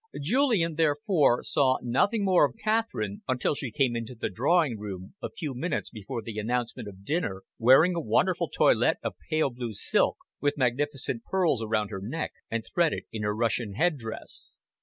Julian, therefore, saw nothing more of Catherine until she came into the drawing room, a few minutes before the announcement of dinner, wearing a wonderful toilette of pale blue silk, with magnificent pearls around her neck and threaded in her Russian headdress.